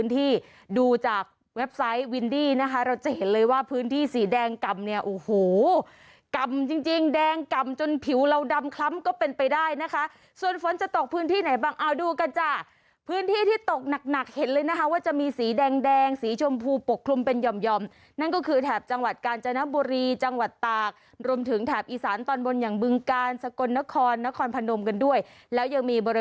ที่ดูจากเว็บไซต์วินดี้นะคะเราจะเห็นเลยว่าพื้นที่สีแดงกำเนี่ยโอ้โหกำจริงจริงแดงกำจนผิวเราดำคล้ำก็เป็นไปได้นะคะส่วนฝนจะตกพื้นที่ไหนบ้างเอาดูกันจ้ะพื้นที่ที่ตกหนักหนักเห็นเลยนะคะว่าจะมีสีแดงแดงสีชมพูปกคลุมเป็นห่อมนั่นก็คือแถบจังหวัดกาญจนบุรีจังหวัดตากรวมถึงแถบอีสานตอนบนอย่างบึงกาลสกลนครนครพนมกันด้วยแล้วยังมีบริ